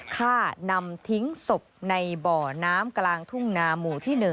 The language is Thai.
ฆ่านำทิ้งศพในบ่อน้ำกลางทุ่งนาหมู่ที่๑